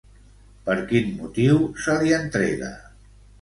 Per quin motiu se li entrega?